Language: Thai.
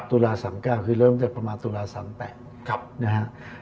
ตุลาศัตรี๓๙คือเริ่มจากตุลาศัตรี๓๘